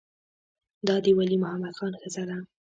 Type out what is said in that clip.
دا د ولی محمد خان ښځه ده.